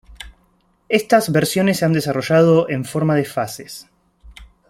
Estas versiones se han desarrollado en forma de fases.